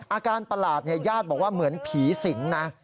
ประหลาดญาติบอกว่าเหมือนผีสิงนะ